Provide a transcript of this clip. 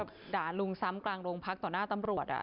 เหมือนกับด่าลุงซ้ำกลางโรงพักต่อหน้าตำรวจอ่ะ